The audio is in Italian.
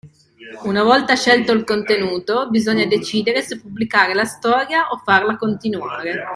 Una volta scelto il contenuto, bisogna decidere se pubblicare la storia o farla continuare.